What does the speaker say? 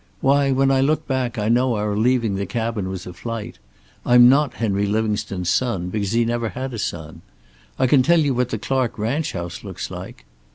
Why, when I look back, I know our leaving the cabin was a flight. I'm not Henry Livingstone's son, because he never had a son. I can tell you what the Clark ranch house looks like."